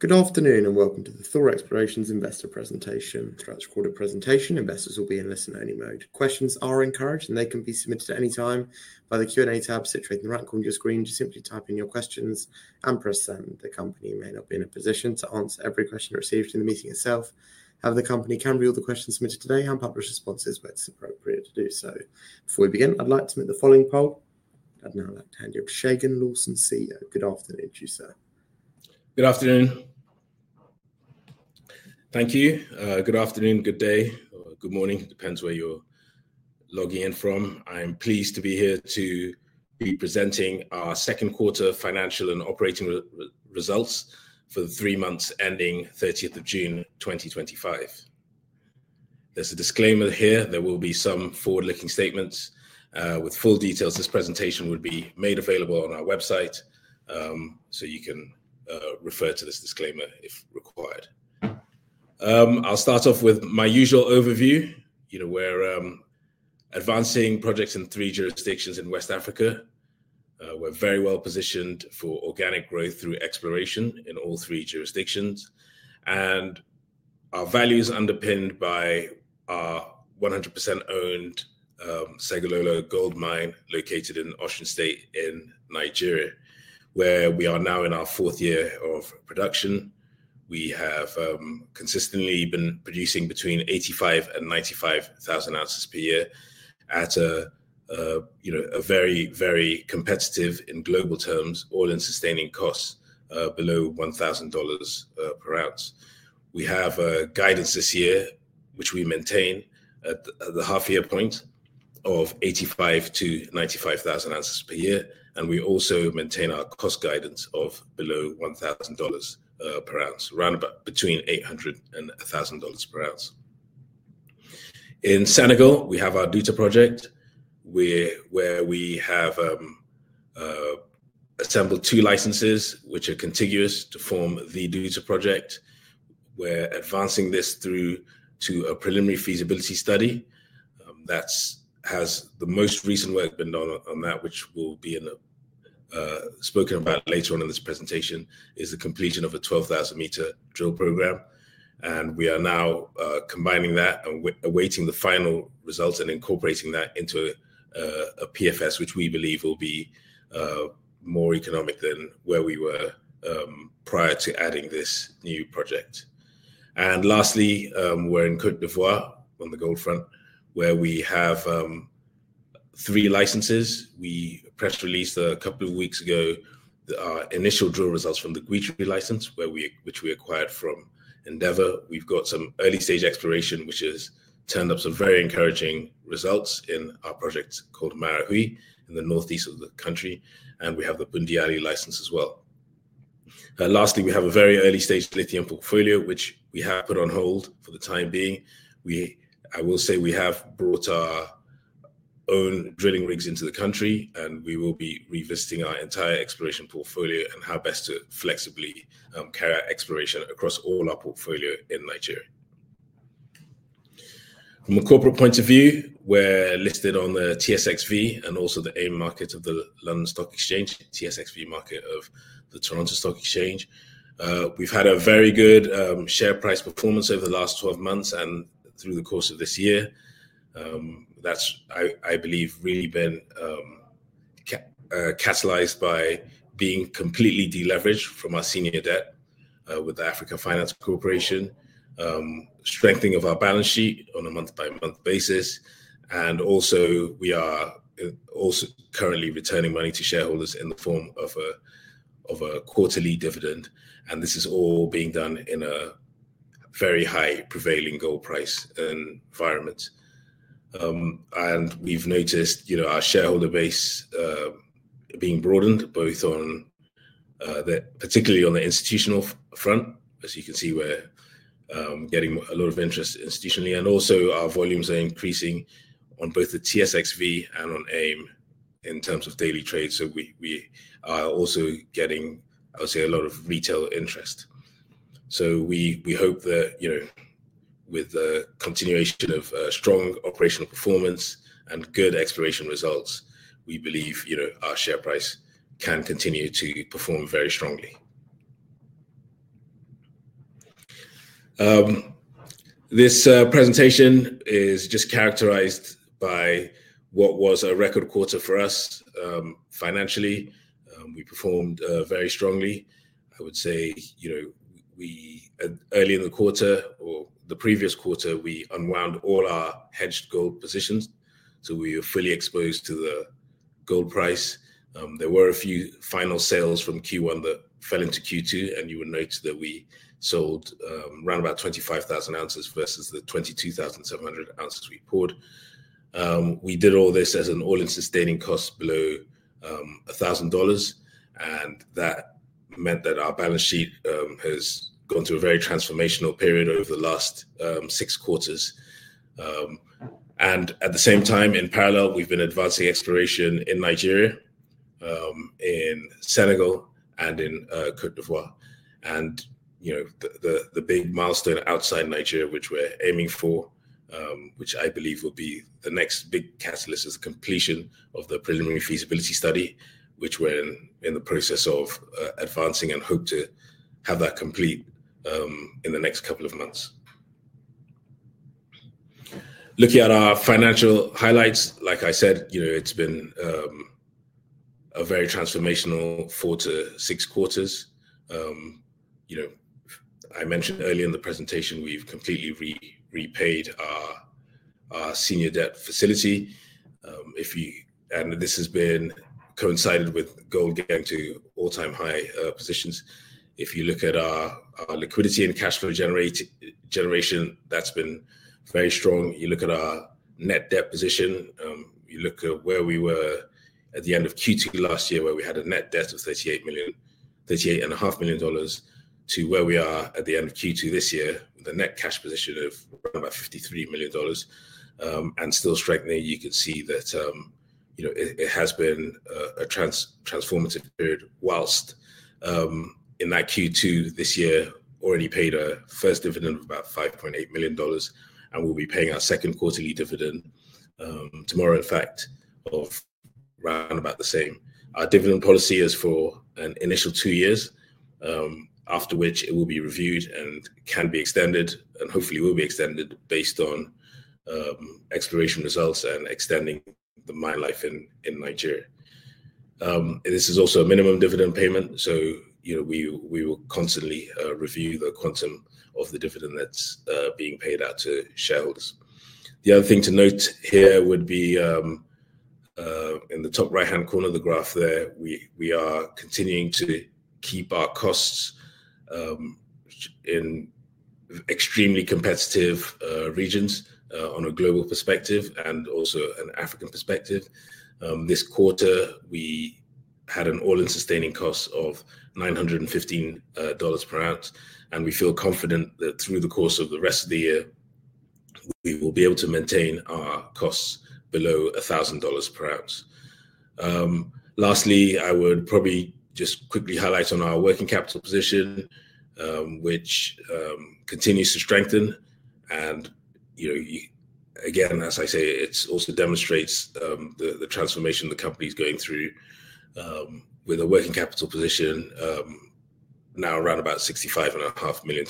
Good afternoon and welcome to the Thor Explorations Investor Presentation. Throughout the recorded presentation, investors will be in listener-only mode. Questions are encouraged and they can be submitted at any time via the Q&A tab situated in the right corner of your screen. Just simply type in your questions and press send. The company may not be in a position to answer every question received in the meeting itself, however, the company can read all the questions submitted today and publish responses where it's appropriate to do so. Before we begin, I'd like to submit the following poll. I'd now like to hand you over to Segun Lawson, CEO. Good afternoon to you, Sir. Good afternoon. Thank you. Good afternoon, good day, or good morning, depends where you're logging in from. I'm pleased to be here to be presenting our second quarter financial and operating results for the three months ending 30th of June 2025. There's a disclaimer here. There will be some forward-looking statements. With full details, this presentation would be made available on our website. You can refer to this disclaimer if required. I'll start off with my usual overview. We're advancing projects in three jurisdictions in West Africa. We're very well positioned for organic growth through exploration in all three jurisdictions. Our values are underpinned by our 100% owned Segilola Gold Mine located in Osun State in Nigeria, where we are now in our fourth year of production. We have consistently been producing between 85,000 oz and 95,000 oz per year at a very, very competitive, in global terms, all-in sustaining cost below $1,000 per oz. We have guidance this year, which we maintain at the half-year point of 85,000 oz-95,000 oz per year. We also maintain our cost guidance of below $1,000 per oz, around between $800 and $1,000 per oz. In Senegal, we have our Douta Project, where we have assembled two licenses, which are contiguous to form the Douta Project. We're advancing this through to a preliminary feasibility study. The most recent work done on that, which will be spoken about later on in this presentation, is the completion of a 12,000-m drill program. We are now combining that and awaiting the final results and incorporating that into a PFS, which we believe will be more economic than where we were prior to adding this new project. Lastly, we're in Côte d'Ivoire on the gold front, where we have three licenses. We press released a couple of weeks ago that our initial drill results from the Guitry license, which we acquired from Endeavour. We've got some early-stage exploration, which has turned up some very encouraging results in our project called Marahui, in the northeast of the country. We have a Bundiali license as well. Lastly, we have a very early-stage lithium portfolio, which we have put on hold for the time being. I will say we have brought our own drilling rigs into the country, and we will be revisiting our entire exploration portfolio and how best to flexibly carry out exploration across all our portfolio in Nigeria. From a corporate point of view, we're listed on the TSXV and also the AIM market of the London Stock Exchange, TSXV market of the Toronto Stock Exchange. We've had a very good share price performance over the last 12 months and through the course of this year. That's, I believe, really been catalyzed by being completely deleveraged from our senior debt with the Africa Finance Corporation, strengthening of our balance sheet on a month-by-month basis. We are also currently returning money to shareholders in the form of a quarterly dividend. This is all being done in a very high prevailing gold price environment. We've noticed our shareholder base being broadened, particularly on the institutional front, as you can see, we're getting a lot of interest institutionally. Our volumes are increasing on both the TSXV and on AIM in terms of daily trade. We are also getting, I would say, a lot of retail interest. We hope that, with the continuation of strong operational performance and good exploration results, we believe our share price can continue to perform very strongly. This presentation is just characterized by what was a record quarter for us financially. We performed very strongly. Early in the quarter or the previous quarter, we unwound all our hedged gold positions. We are fully exposed to the gold price. There were a few final sales from Q1 that fell into Q2. You will note that we sold around about 25,000 oz versus the 22,700 oz we poured. We did all this at an all-in sustaining cost below $1,000. That meant that our balance sheet has gone through a very transformational period over the last six quarters. At the same time, in parallel, we've been advancing exploration in Nigeria, in Senegal, and in Côte d'Ivoire. The big milestone outside Nigeria, which we're aiming for, which I believe will be the next big catalyst, is completion of the preliminary feasibility study, which we're in the process of advancing and hope to have that complete in the next couple of months. Looking at our financial highlights, like I said, it's been a very transformational four to six quarters. I mentioned earlier in the presentation, we've completely repaid our senior debt facility. This has been coincided with gold getting to all-time high positions. If you look at our liquidity and cash flow generation, that's been very strong. You look at our net debt position, you look at where we were at the end of Q2 last year, where we had a net debt of $38.5 million to where we are at the end of Q2 this year, the net cash position of about $53 million. Still strengthening, you could see that it has been a transformative period whilst in that Q2 this year already paid our first dividend of about $5.8 million. We'll be paying our second quarterly dividend tomorrow, in fact, of around about the same. Our dividend policy is for an initial two years, after which it will be reviewed and can be extended, and hopefully will be extended based on exploration results and extending the mine life in Nigeria. This is also a minimum dividend payment. We will constantly review the quantum of the dividend that's being paid out to shareholders. The other thing to note here would be in the top right-hand corner of the graph there, we are continuing to keep our costs in extremely competitive regions on a global perspective and also an African perspective. This quarter, we had an all-in sustaining cost of $915 per oz. We feel confident that through the course of the rest of the year, we will be able to maintain our costs below $1,000 per oz. Lastly, I would probably just quickly highlight on our working capital position, which continues to strengthen. Again, as I say, it also demonstrates the transformation the company is going through with a working capital position now around about $65.5 million.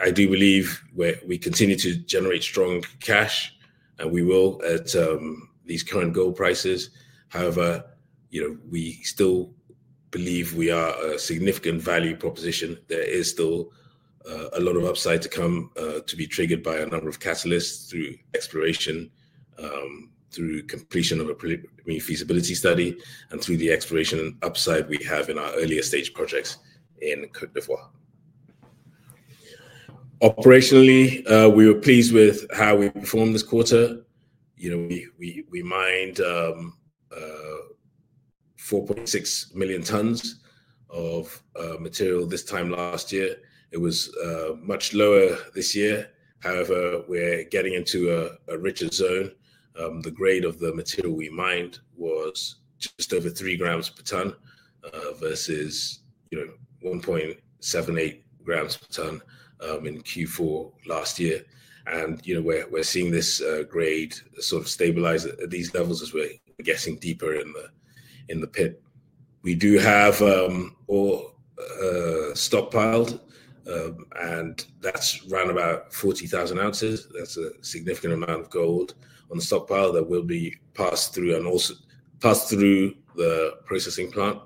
I do believe we continue to generate strong cash, and we will at these current gold prices. However, we still believe we are a significant value proposition. There is still a lot of upside to come to be triggered by a number of catalysts through exploration, through completion of a preliminary feasibility study, and through the exploration upside we have in our earlier stage projects in Côte d'Ivoire. Operationally, we were pleased with how we performed this quarter. We mined 4.6 million tons of material this time last year. It was much lower this year. However, we're getting into a richer zone. The grade of the material we mined was just over 3 g per ton versus 1.78 g per ton in Q4 last year. We're seeing this grade sort of stabilize at these levels as we're getting deeper in the pit. We do have all stockpiled, and that's around about 40,000 oz. That's a significant amount of gold on the stockpile that will be passed through and also passed through the processing plant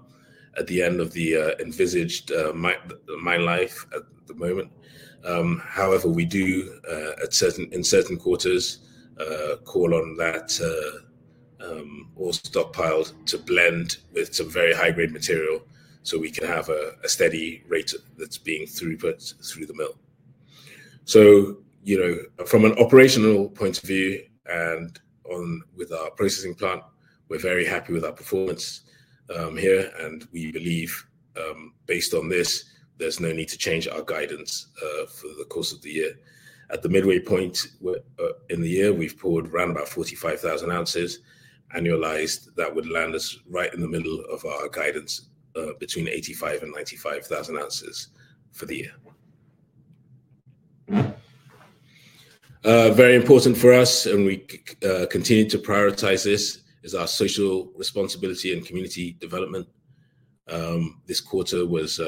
at the end of the envisaged mine life at the moment. However, we do, in certain quarters, call on that all stockpiled to blend with some very high-grade material so we can have a steady rate that's being throughput through the mill. From an operational point of view and with our processing plant, we're very happy with our performance here. We believe, based on this, there's no need to change our guidance for the course of the year. At the midway point in the year, we've poured around about 45,000 ounces annualized. That would land us right in the middle of our guidance between 85,000 oz and 95,000 oz for the year. Very important for us, and we continue to prioritize this, is our social responsibility and community development. This quarter was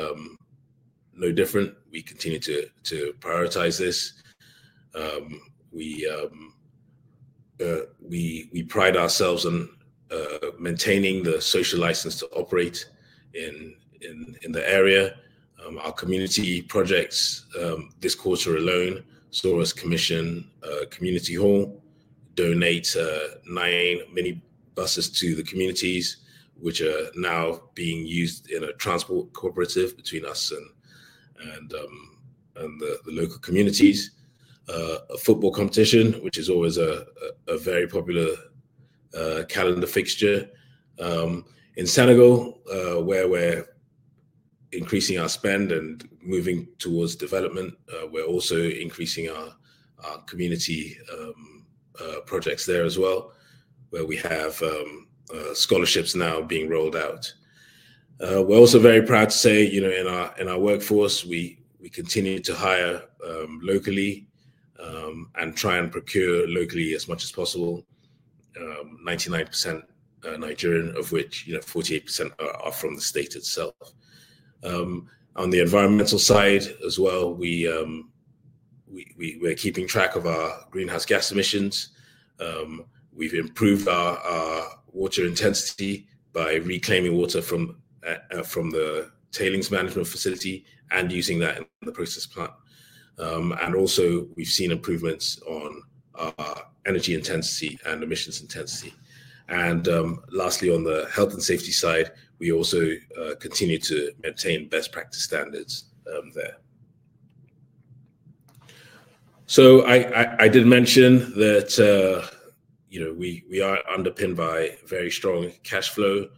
no different. We continue to prioritize this. We pride ourselves on maintaining the social license to operate in the area. Our community projects, this quarter alone, saw us commission a community hall, donate nine minibuses to the communities, which are now being used in a transport cooperative between us and the local communities. A football competition, which is always a very popular calendar fixture. In Senegal, where we're increasing our spend and moving towards development, we're also increasing our community projects there as well, where we have scholarships now being rolled out. We're also very proud to say, in our workforce, we continue to hire locally and try and procure locally as much as possible. 99% are Nigerian, of which 48% are from the state itself. On the environmental side as well, we're keeping track of our greenhouse gas emissions. We've improved our water intensity by reclaiming water from the tailings management facility and using that in the process plant. We've seen improvements on our energy intensity and emissions intensity. Lastly, on the health and safety side, we also continue to maintain best practice standards there. I did mention that we are underpinned by very strong cash flow.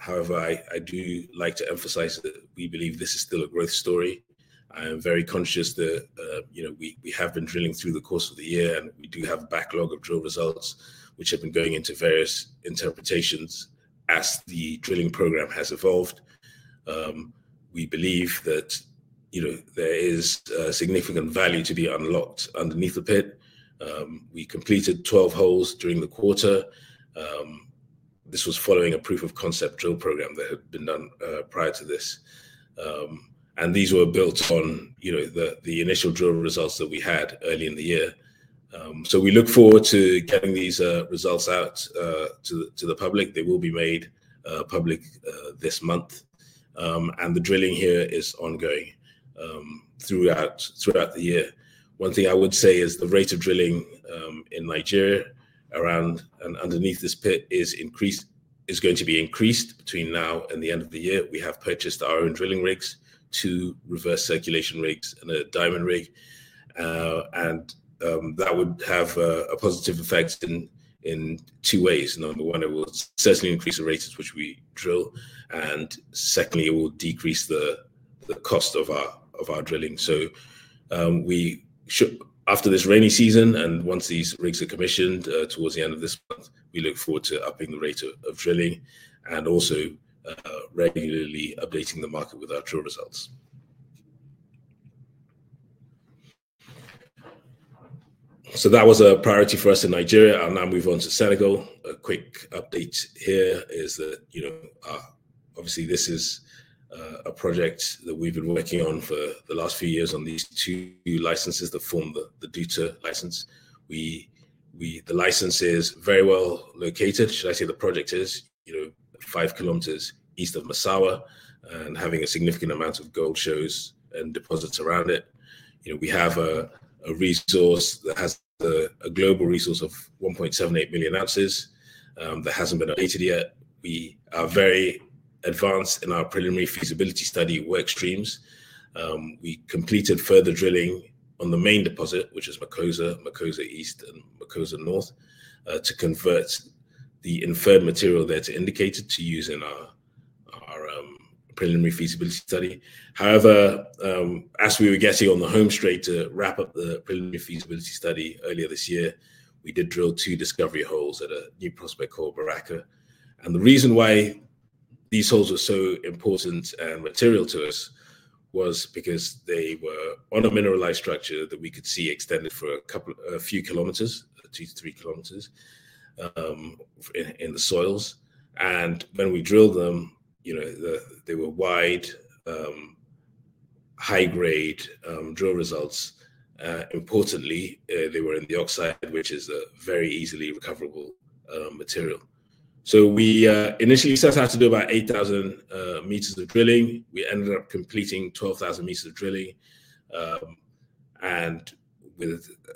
However, I do like to emphasize that we believe this is still a growth story. I am very conscious that we have been drilling through the course of the year, and we do have a backlog of drill results, which have been going into various interpretations as the drilling program has evolved. We believe that there is significant value to be unlocked underneath the pit. We completed 12 holes during the quarter. This was following a proof of concept drill program that had been done prior to this. These were built on the initial drill results that we had early in the year. We look forward to getting these results out to the public. They will be made public this month, and the drilling here is ongoing throughout the year. One thing I would say is the rate of drilling in Nigeria around and underneath this pit is going to be increased between now and the end of the year. We have purchased our own drilling rigs, two reverse circulation rigs, and a diamond rig. That would have a positive effect in two ways. Number one, it will certainly increase the rates at which we drill. Secondly, it will decrease the cost of our drilling. After this rainy season and once these rigs are commissioned towards the end of this month, we look forward to upping the rate of drilling and also regularly updating the market with our drill results. That was a priority for us in Nigeria. I'll now move on to Senegal. A quick update here is that this is a project that we've been working on for the last few years on these two licenses that form the Douta license. The license is very well located. The project is five kilometers east of Massawa and has a significant amount of gold shows and deposits around it. We have a resource that has a global resource of 1.78 million oz that hasn't been updated yet. We are very advanced in our preliminary feasibility study work streams. We completed further drilling on the main deposit, which is Makosa, Makosa East, and Makosa North, to convert the inferred material there to indicated to use in our preliminary feasibility study. However, as we were getting on the home straight to wrap up the preliminary feasibility study earlier this year, we did drill two discovery holes at a new prospect called Baraka. The reason why these holes were so important and material to us was because they were on a mineralized structure that we could see extended for a few kilometers, two to three kilometers in the soils. When we drilled them, you know, they were wide, high-grade drill results. Importantly, they were in the oxide, which is a very easily recoverable material. We initially set out to do about 8,000 m of drilling. We ended up completing 12,000 m of drilling.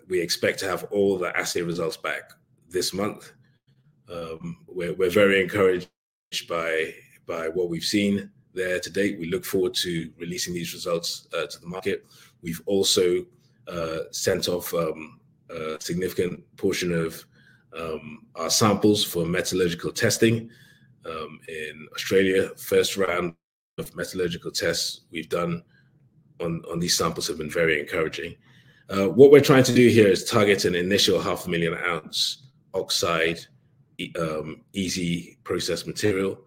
We expect to have all the assay results back this month. We're very encouraged by what we've seen there to date. We look forward to releasing these results to the market. We've also sent off a significant portion of our samples for metallurgical testing in Australia. The first round of metallurgical tests we've done on these samples have been very encouraging. What we're trying to do here is target an initial 500,000 oz oxide, easy process material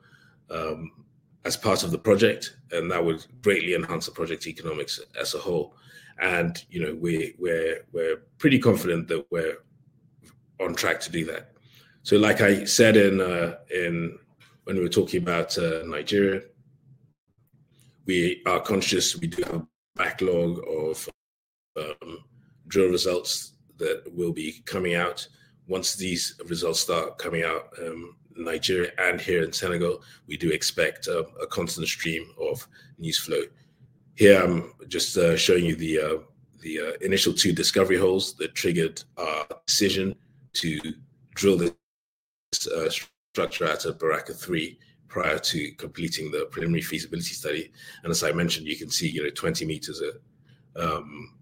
as part of the project. That would greatly enhance the project economics as a whole. We're pretty confident that we're on track to do that. Like I said when we were talking about Nigeria, we are conscious we do have a backlog of drill results that will be coming out. Once these results start coming out in Nigeria and here in Senegal, we do expect a constant stream of news flow. Here, I'm just showing you the initial two discovery holes that triggered our decision to drill this structure out at Baraka 3 prior to completing the preliminary feasibility study. As I mentioned, you can see here at 20 m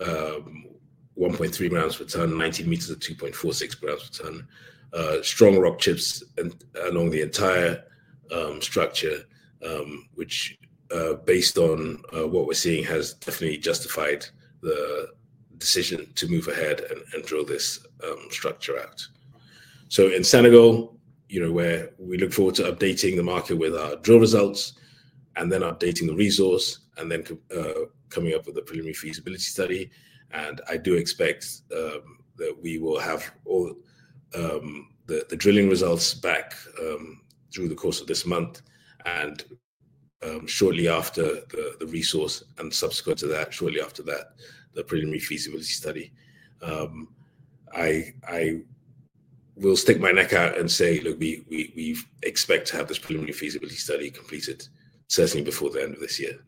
at 1.3 g per ton, 19 m at 2.46 g per ton. Strong rock chips along the entire structure, which based on what we're seeing has definitely justified the decision to move ahead and drill this structure out. In Senegal, we look forward to updating the market with our drill results and then updating the resource and then coming up with the preliminary feasibility study. I do expect that we will have all the drilling results back through the course of this month and shortly after the resource and subsequent to that, shortly after that, the preliminary feasibility study. I will stick my neck out and say, look, we expect to have this preliminary feasibility study completed certainly before the end of this year.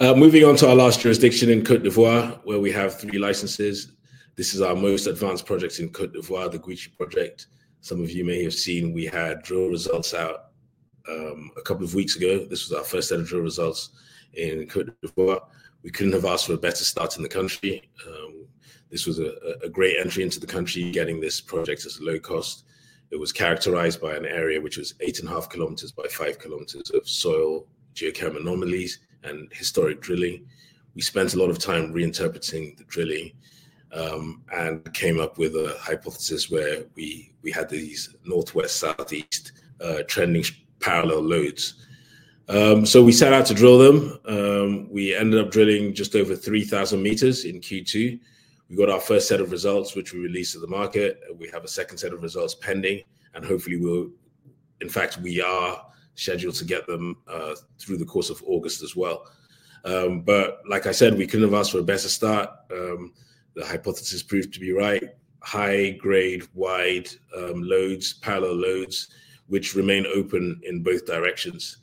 Moving on to our last jurisdiction in Côte d'Ivoire, where we have three licenses. This is our most advanced project in Côte d'Ivoire, the Guitry Project. Some of you may have seen we had drill results out a couple of weeks ago. This was our first set of drill results in Côte d'Ivoire. We couldn't have asked for a better start in the country. This was a great entry into the country, getting this project at a low cost. It was characterized by an area which was 8,5 km by 5 km of soil, geochemical anomalies, and historic drilling. We spent a lot of time reinterpreting the drilling and came up with a hypothesis where we had these northwest, southeast trending parallel lodes. We set out to drill them. We ended up drilling just over 3,000 m in Q2. We got our first set of results, which we released to the market. We have a second set of results pending. Hopefully, we're, in fact, we are scheduled to get them through the course of August as well. Like I said, we couldn't have asked for a better start. The hypothesis proved to be right. High-grade wide lodes, parallel lodes, which remain open in both directions.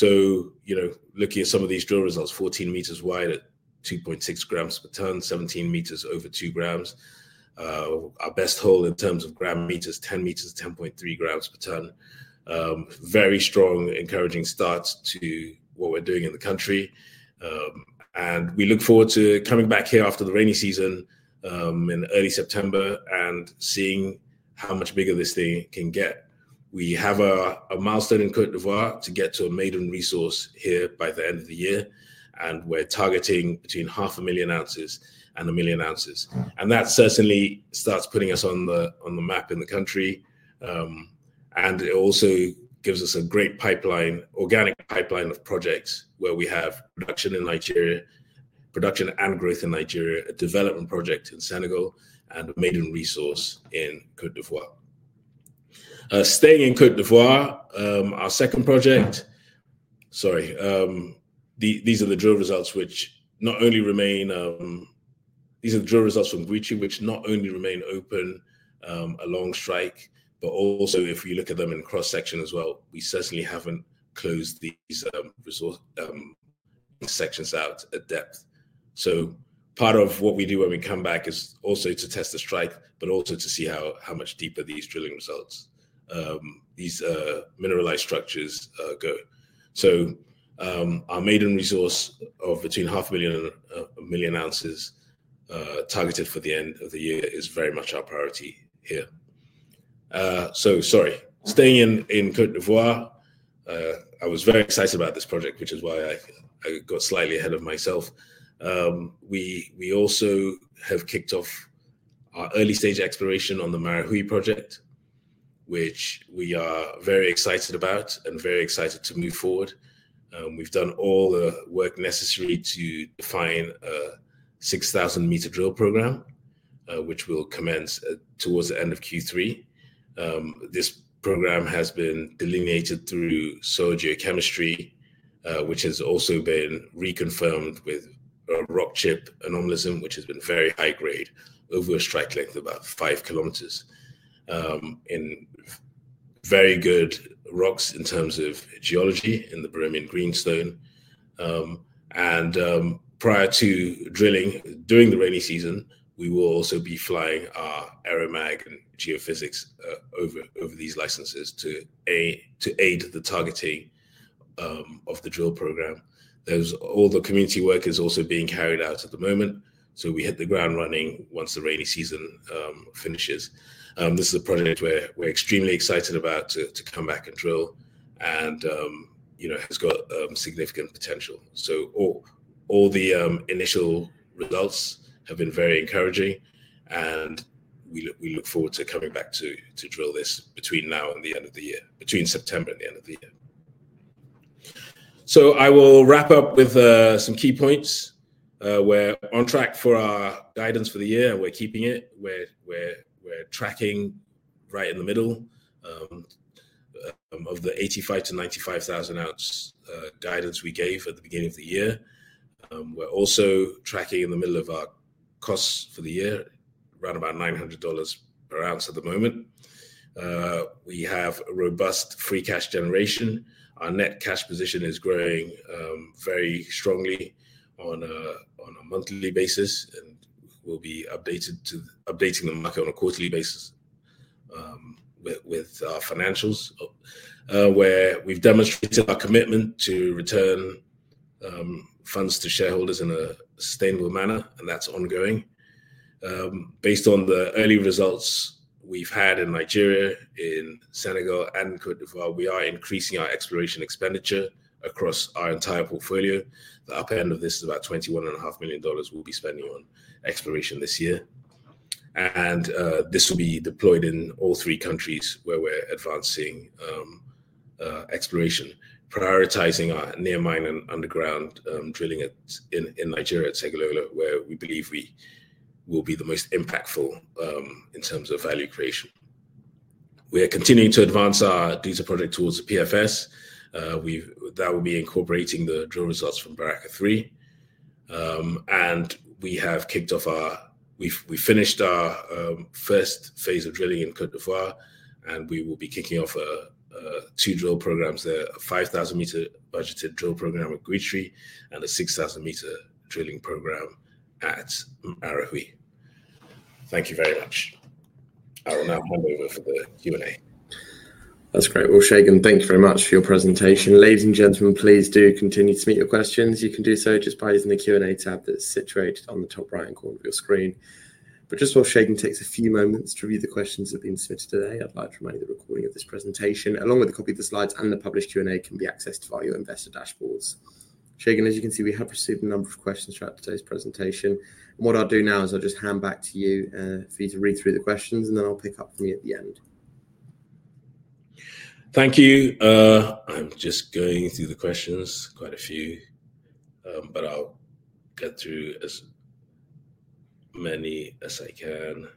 Looking at some of these drill results, 14 m wide at 2.6 g per ton, 17 m over 2 g. Our best hole in terms of gram meters, 10 m, 10.3 g per ton. Very strong, encouraging start to what we're doing in the country. We look forward to coming back here after the rainy season in early September and seeing how much bigger this thing can get. We have a milestone in Côte d'Ivoire to get to a maiden resource here by the end of the year. We're targeting between 500,000 oz and 1 million oz. That certainly starts putting us on the map in the country. It also gives us a great pipeline, organic pipeline of projects where we have production in Nigeria, production and growth in Nigeria, a development project in Senegal, and a maiden resource in Côte d'Ivoire. Staying in Côte d'Ivoire, our second project, sorry, these are the drill results which not only remain, these are the drill results from Guitry, which not only remain open along strike, but also if we look at them in cross-section as well, we certainly haven't closed these sections out at depth. Part of what we do when we come back is also to test the strike, but also to see how much deeper these drilling results, these mineralized structures go. Our maiden resource of between 500,000 oz and 1 million oz targeted for the end of the year is very much our priority here. Sorry, staying in Côte d'Ivoire, I was very excited about this project, which is why I got slightly ahead of myself. We also have kicked off our early-stage exploration on the Marahui project, which we are very excited about and very excited to move forward. We've done all the work necessary to define a 6,000-m drill program, which will commence towards the end of Q3. This program has been delineated through soil geochemistry, which has also been reconfirmed with rock chip anomalism, which has been very high-grade over a strike length of about 5 km, in very good rocks in terms of geology in the Permian greenstone. Prior to drilling during the rainy season, we will also be flying our aeromag and geophysics over these licenses to aid the targeting of the drill program. There's all the community work that's also being carried out at the moment, so we hit the ground running once the rainy season finishes. This is a project we're extremely excited about to come back and drill. It's got significant potential. All the initial results have been very encouraging. We look forward to coming back to drill this between now and the end of the year, between September and the end of the year. I will wrap up with some key points. We're on track for our guidance for the year, and we're keeping it. We're tracking right in the middle of the 85,000 oz-95,000 ounce guidance we gave at the beginning of the year. We're also tracking in the middle of our costs for the year, around about $900 per oz at the moment. We have a robust free cash generation. Our net cash position is growing very strongly on a monthly basis and will be updating the market on a quarterly basis with our financials, where we've demonstrated our commitment to return funds to shareholders in a sustainable manner. That's ongoing. Based on the early results we've had in Nigeria, in Senegal, and in Côte d'Ivoire, we are increasing our exploration expenditure across our entire portfolio. The upper end of this is about $21.5 million we'll be spending on exploration this year. This will be deployed in all three countries where we're advancing exploration, prioritizing our near mine and underground drilling in Nigeria at Segilola, where we believe we will be the most impactful in terms of value creation. We are continuing to advance our Douta Project towards the PFS. That will be incorporating the drill results from Baraka 3. We have finished our first phase of drilling in Côte d'Ivoire, and we will be kicking off two drill programs there, a 5,000-mr budgeted drill program at Guitry and a 6,000-m drilling program at Marahui. Thank you very much. I will now hand over for the Q&A. That's great. Well, Segun, thank you very much for your presentation. Ladies and gentlemen, please do continue to submit your questions. You can do so just by using the Q&A tab that's situated on the top right-hand corner of your screen. Just while Segun takes a few moments to read the questions that have been submitted today, I'd like to remind you that the recording of this presentation, along with a copy of the slides and the published Q&A, can be accessed via your investor dashboards. Segun, as you can see, we have received a number of questions throughout today's presentation. What I'll do now is I'll just hand back to you for you to read through the questions, and then I'll pick up from you at the end. Thank you. I'm just going through the questions, quite a few, but I'll get through as many as I can.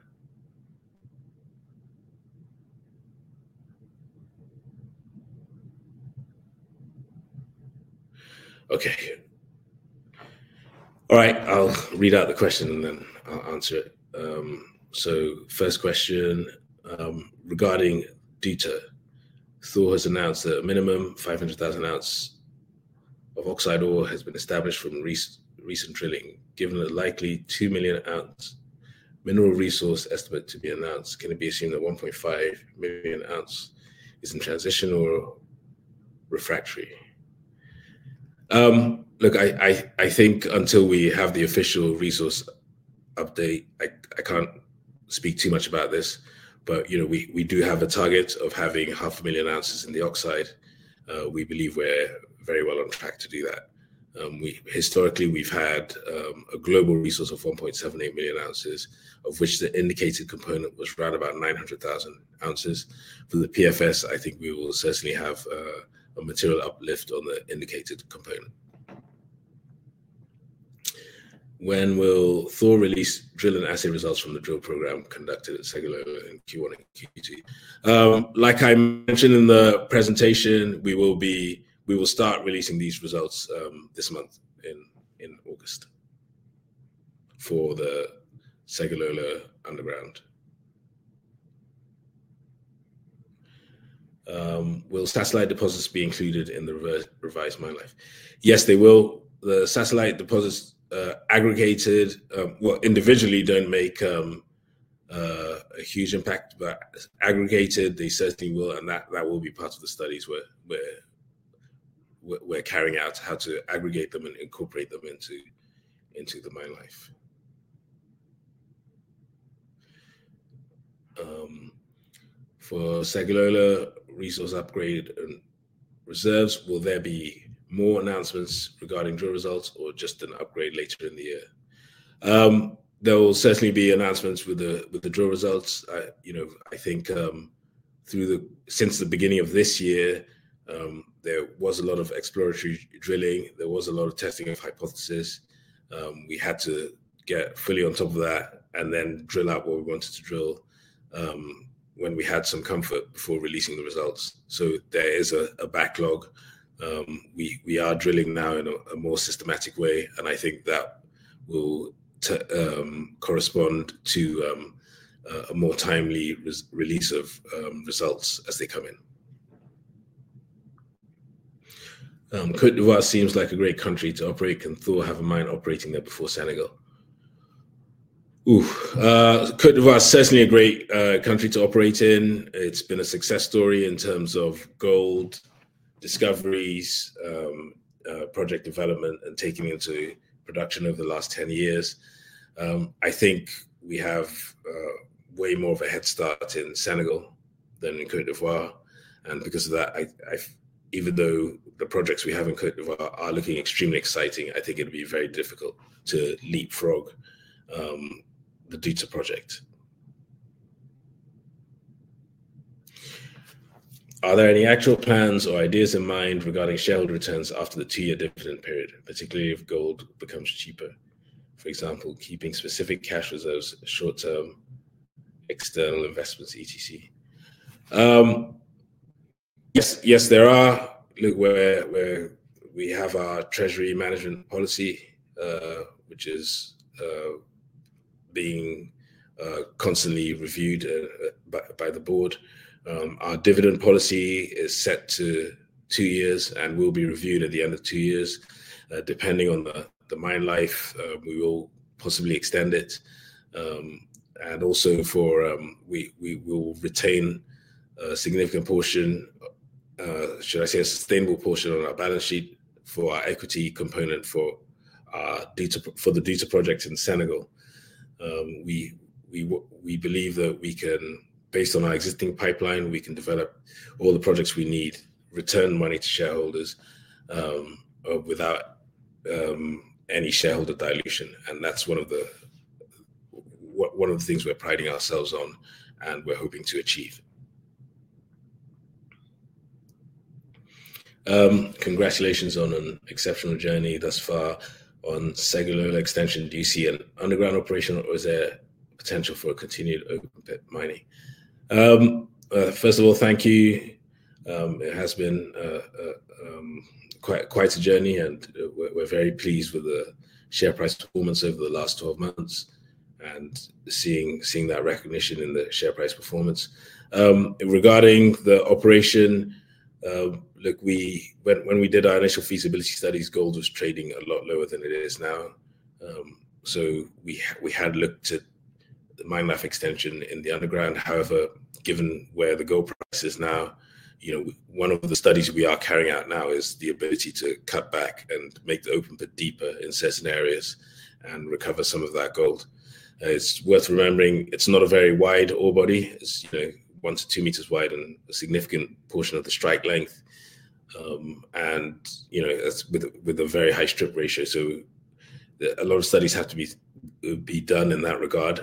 All right. I'll read out the question and then I'll answer it. First question regarding Douta. Thor has announced that a minimum of 500,000 oz of oxide ore has been established from recent drilling, given the likely 2 million oz mineral resource estimate to be announced. Can it be assumed that 1.5 million oz is in transition or refractory? I think until we have the official resource update, I can't speak too much about this. We do have a target of having 500,000 oz in the oxide. We believe we're very well on track to do that. Historically, we've had a global resource of 1.78 million oz, of which the indicated component was right about 900,000 oz. For the PFS, I think we will certainly have a material uplift on the indicated component. When will Thor release drilling assay results from the drill program conducted at Segilola in Q1 and Q2? Like I mentioned in the presentation, we will start releasing these results this month in August for the Segilola underground. Will satellite deposits be included in the revised mine life? Yes, they will. The satellite deposits aggregated, individually don't make a huge impact, but aggregated, they certainly will. That will be part of the studies where we're carrying out how to aggregate them and incorporate them into the mine life. For Segilola resource upgrade and reserves, will there be more announcements regarding drill results or just an upgrade later in the year? There will certainly be announcements with the drill results. I think since the beginning of this year, there was a lot of exploratory drilling. There was a lot of testing of hypothesis. We had to get fully on top of that and then drill out what we wanted to drill when we had some comfort before releasing the results. There is a backlog. We are drilling now in a more systematic way. I think that will correspond to a more timely release of results as they come in. Côte d'Ivoire seems like a great country to operate. Can Thor have a mine operating there before Senegal? Côte d'Ivoire is certainly a great country to operate in. It's been a success story in terms of gold discoveries, project development, and taking into production over the last 10 years. I think we have way more of a head start in Senegal than in Côte d'Ivoire. Because of that, even though the projects we have in Côte d'Ivoire are looking extremely exciting, I think it'll be very difficult to leapfrog the Douta Project. Are there any actual plans or ideas in mind regarding shareholder returns after the two-year dividend period, particularly if gold becomes cheaper? For example, keeping specific cash reserves, short-term external investments, etc. Yes, there are. Look, we have our treasury management policy, which is being constantly reviewed by the board. Our dividend policy is set to two years and will be reviewed at the end of two years. Depending on the mine life, we will possibly extend it. Also, we will retain a significant portion, should I say a sustainable portion, on our balance sheet for our equity component for the Douta Project in Senegal. We believe that we can, based on our existing pipeline, develop all the projects we need and return money to shareholders without any shareholder dilution. That's one of the things we're priding ourselves on and we're hoping to achieve. Congratulations on an exceptional journey thus far on Segilola extension this year, underground operation. Is there potential for continued mining? First of all, thank you. It has been quite a journey, and we're very pleased with the share price performance over the last 12 months and seeing that recognition in the share price performance. Regarding the operation, when we did our initial feasibility studies, gold was trading a lot lower than it is now. We had looked at the mine life extension in the underground. However, given where the gold price is now, one of the studies we are carrying out now is the ability to cut back and make the open pit deeper in certain areas and recover some of that gold. It's worth remembering, it's not a very wide ore body. It's 1 m-2 m wide and a significant portion of the strike length, and that's with a very high strip ratio. A lot of studies have to be done in that regard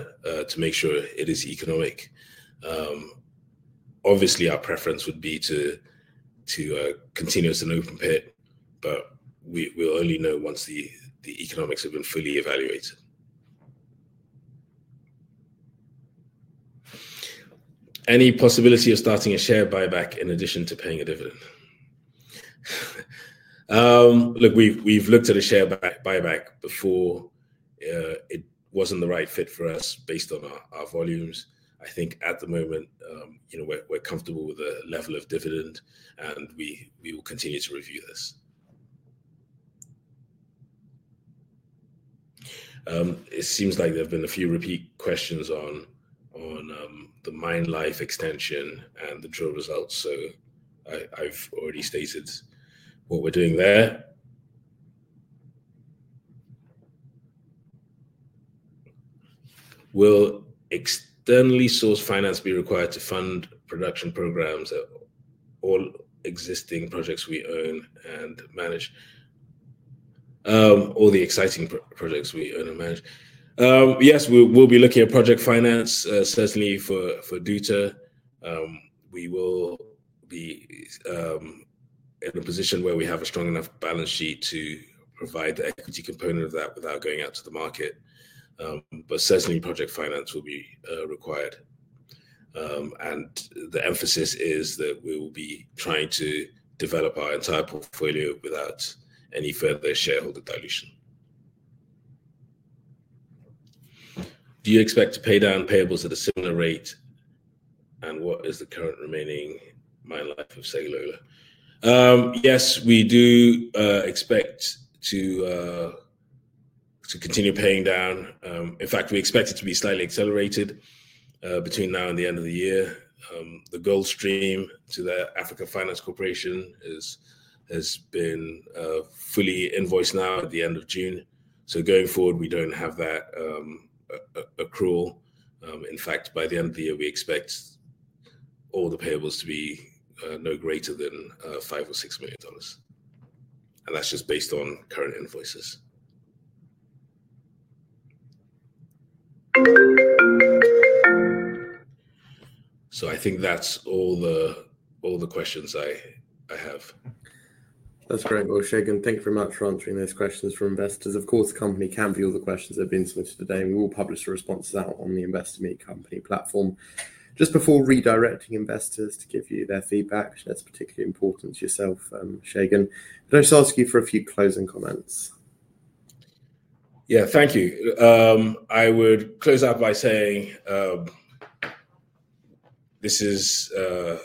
to make sure it is economic. Obviously, our preference would be to continue as an open pit, but we'll only know once the economics have been fully evaluated. Any possibility of starting a share buyback in addition to paying a dividend? Look, we've looked at a share buyback before. It wasn't the right fit for us based on our volumes. I think at the moment, we're comfortable with the level of dividend, and we will continue to review this. It seems like there have been a few repeat questions on the mine life extension and the drill results. I've already stated what we're doing there. Will externally sourced finance be required to fund production programs at all existing projects we own and manage? All the exciting projects we own and manage. Yes, we'll be looking at project finance, certainly for Douta. We will be in a position where we have a strong enough balance sheet to provide the equity component of that without going out to the market. Project finance will be required. The emphasis is that we will be trying to develop our entire portfolio without any further shareholder dilution. Do you expect to pay down payables at a similar rate? What is the current remaining mine life of Segilola? Yes, we do expect to continue paying down. In fact, we expect it to be slightly accelerated between now and the end of the year. The gold stream to the Africa Finance Corporation has been fully invoiced now at the end of June. Going forward, we don't have that accrual. In fact, by the end of the year, we expect all the payables to be no greater than $5 million or $6 million. That's just based on current invoices. I think that's all the questions I have. That's great. Well, Segun, thanks very much for answering those questions for investors. Of course, the company can view all the questions that have been submitted today. We will publish the responses out on the Investor Meet Company platform. Just before redirecting investors to give you their feedback, that's particularly important to yourself, Segun. Can I just ask you for a few closing comments? Thank you. I would close out by saying this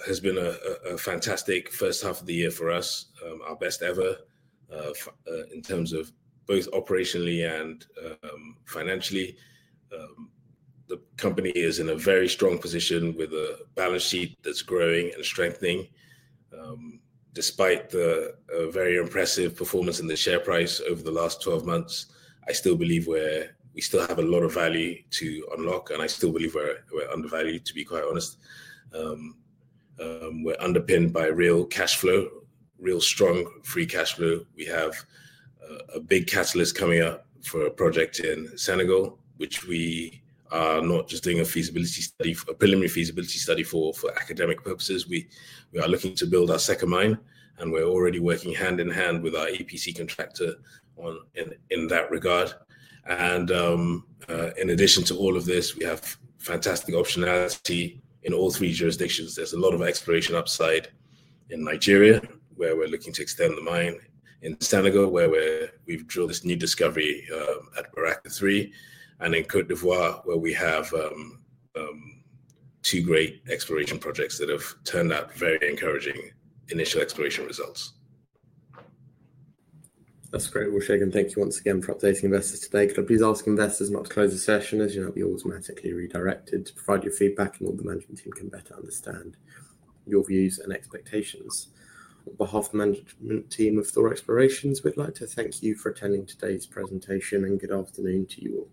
has been a fantastic first half of the year for us, our best ever in terms of both operationally and financially. The company is in a very strong position with a balance sheet that's growing and strengthening. Despite the very impressive performance in the share price over the last 12 months, I still believe we still have a lot of value to unlock. I still believe we're undervalued, to be quite honest. We're underpinned by real cash flow, real strong free cash flow. We have a big catalyst coming up for a project in Senegal, which we are not just doing a preliminary feasibility study for academic purposes. We are looking to build our second mine. We're already working hand in hand with our EPC contractor in that regard. In addition to all of this, we have fantastic optionality in all three jurisdictions. There's a lot of exploration upside in Nigeria, where we're looking to extend the mine, in Senegal, where we've drilled this new discovery at Baraka 3, and in Côte d'Ivoire, where we have two great exploration projects that have turned out very encouraging initial exploration results. That's great. Well, Segun, thank you once again for updating investors today. Could I please ask investors not to close the session as you'll be automatically redirected to provide your feedback and all the management team can better understand your views and expectations. On behalf of the management team of Thor Explorations, we'd like to thank you for attending today's presentation and good afternoon to you all.